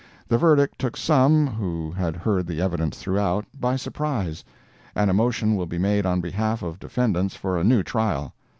The verdict took some, who had heard the evidence throughout, by surprise; and a motion will be made on behalf of defendants for a new trial.